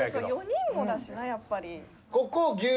４人もだしなやっぱり。